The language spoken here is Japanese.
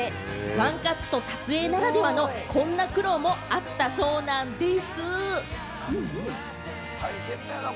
ワンカット撮影ならではの、こんな苦労もあったそうなんでぃす。